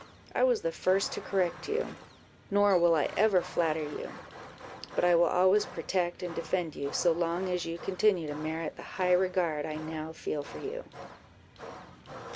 I was the first to correct you, nor will I ever flatter you; but I will always protect and defend you, so long as you continue to merit the high regard I now feel for you."